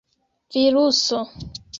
viruso